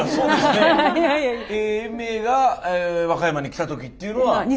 永明が和歌山に来た時っていうのは？